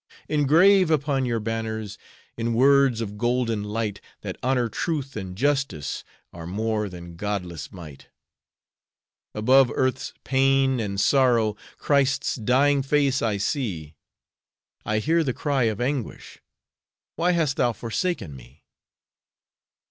Engrave upon your banners, In words of golden light, That honor, truth, and justice Are more than godless might. Above earth's pain and sorrow Christ's dying face I see; I hear the cry of anguish: "Why hast thou forsaken me?"